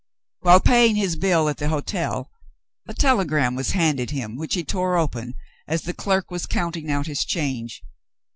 While paying his bill at the hotel, a telegram was handed him, which he tore open as the clerk was counting out his change.